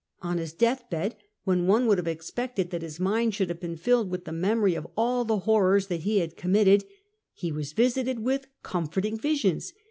On his death bed, when one would have expected that his mind should have been filled with the memory of all the horrors that he had committed, he was visited with comforting visions.